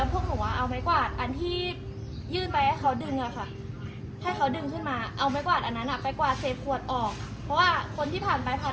เพราะว่าคนที่ผ่านไปผ่านมาเขาขี่รถเหยียบค่ะ